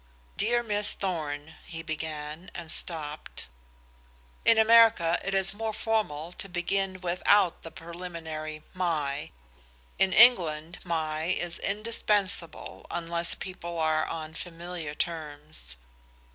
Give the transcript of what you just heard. "Dear Miss Thorn" he began, and stopped. In America it is more formal to begin without the preliminary "my;" in England the "my" is indispensable, unless people are on familiar terms.